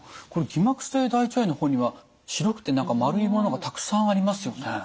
これ偽膜性大腸炎の方には白くて何か丸いものがたくさんありますよね。